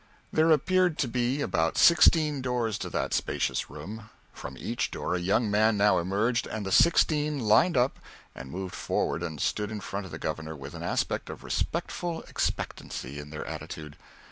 There appeared to be about sixteen doors to that spacious room. From each door a young man now emerged, and the sixteen lined up and moved forward and stood in front of the Governor with an aspect of respectful expectancy in their attitude.